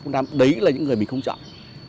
đấy là những người mình không chọn